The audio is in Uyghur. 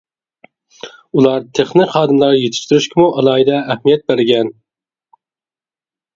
ئۇلار تېخنىك خادىملار يېتىشتۈرۈشكىمۇ ئالاھىدە ئەھمىيەت بەرگەن.